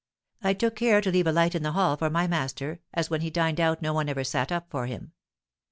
I took care to leave a light in the hall for my master, as when he dined out no one ever sat up for him.